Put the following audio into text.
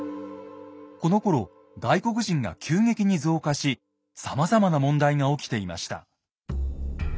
このころ外国人が急激に増加しさまざまな問題が起きていました。